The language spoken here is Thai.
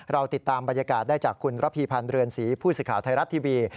เราติดตามบรรยากาศได้จากคุณระพีพันธ์เรือนศรีผู้สื่อข่าวไทยรัฐทีวี